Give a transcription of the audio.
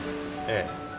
ええ。